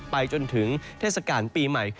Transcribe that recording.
ไปจนถึงเทศกาลปีใหม่